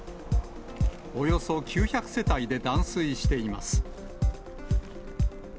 およそ９００世帯で断水しています。